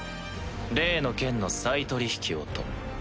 「例の件の再取り引きを」と。